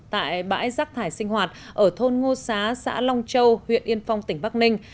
tại bãi rác thải sinh hoạt ở thôn ngô xá xã long châu huyện yên phong tỉnh bắc ninh